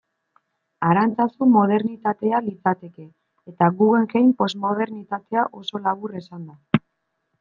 Arantzazu modernitatea litzateke, eta Guggenheim, posmodernitatea, oso labur esanda.